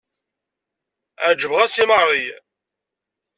Ɛejbeɣ-as i Marie.